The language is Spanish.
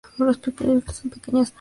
Los frutos son pequeñas fresas.